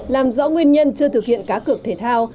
làm rõ nguyên nhân chưa thực hiện cá cược thể thao